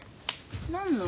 何の？